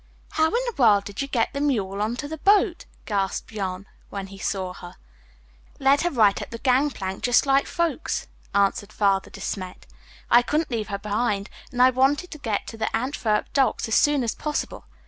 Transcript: "How in the world did you get the mule on to the boat!" gasped Jan, when he saw her. "Led her right up the gangplank just like folks," answered Father De Smet. "I couldn't leave her behind and I wanted to get to the Antwerp docks as soon as possible.